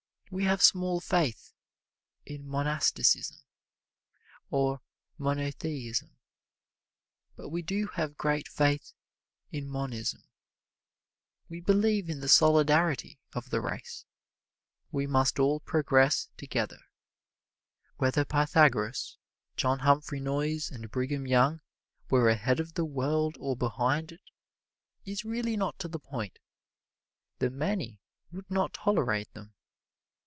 We have small faith in monasticism or monotheism, but we do have great faith in monism. We believe in the Solidarity of the Race. We must all progress together. Whether Pythagoras, John Humphrey Noyes and Brigham Young were ahead of the world or behind it is really not to the point the many would not tolerate them.